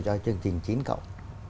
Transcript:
cho chương trình chín cộng